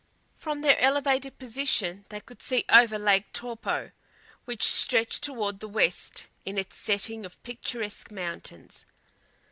From their elevated position they could see over Lake Taupo, which stretched toward the west in its setting of picturesque mountains.